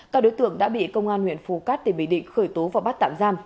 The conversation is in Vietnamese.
các đứa tượng đã bị công an huyện phù cát tỉnh bình định khởi tố vào bắt tạm gian